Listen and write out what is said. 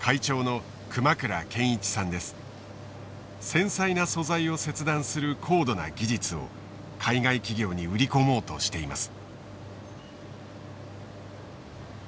繊細な素材を切断する高度な技術を海外企業に売り込もうとしています。